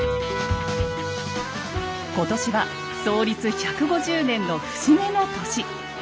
今年は創立１５０年の節目の年。